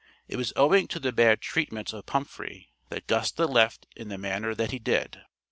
It was owing to the bad treatment of Pumphrey, that Gusta left in the manner that he did.